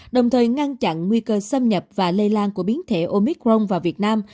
đồng thời ngăn chặn nguy cơ xâm nhập và lây lan của biến thể omicron vào việt nam